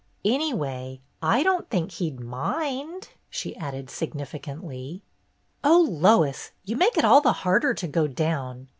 "Anyway, I don't think he 'd mind !" she added significantly. " Oh, Lois, you make it all the harder to go down.